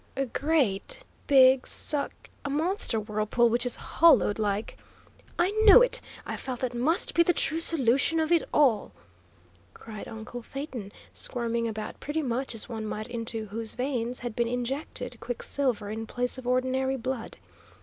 "A great big suck, a monster whirlpool which is hollowed like " "I knew it! I felt that must be the true solution of it all!" cried uncle Phaeton, squirming about pretty much as one might into whose veins had been injected quicksilver in place of ordinary blood.